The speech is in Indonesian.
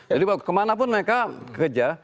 jadi kemana pun mereka kerja